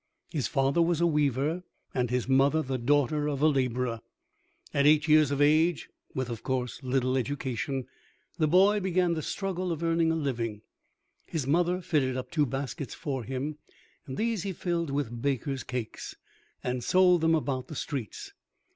His father was a weaver, and his mother the daughter of a laborer. At eight years of age, with of course little education, the boy began the struggle of earning a living. His mother fitted up two baskets for him, and these he filled with baker's cakes, and sold them about the streets.